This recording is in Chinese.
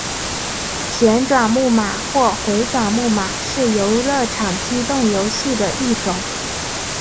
旋转木马或回转木马是游乐场机动游戏的一种。